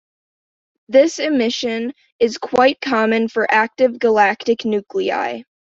This emission is quite common for active galactic nuclei.